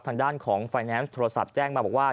ทางด้านของไฟแนนซ์โทรศัพท์แจ้งมาบอกว่า